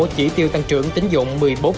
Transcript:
chỉ tiêu tăng trưởng tín dụng một mươi bốn